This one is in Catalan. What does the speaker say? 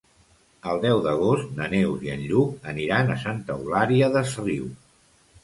El deu d'agost na Neus i en Lluc aniran a Santa Eulària des Riu.